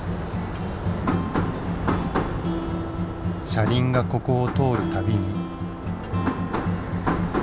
車輪がここを通るたびに。